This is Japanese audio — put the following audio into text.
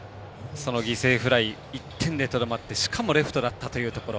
その犠牲フライ１点でとどまって、しかもレフトだったというところ。